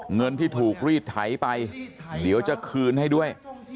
เงินที่ถูกรีดไถไปเดี๋ยวจะคืนให้ด้วย